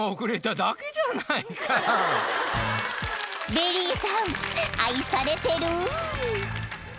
［ベリーさん愛されてる］